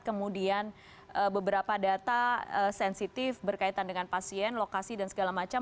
kemudian beberapa data sensitif berkaitan dengan pasien lokasi dan segala macam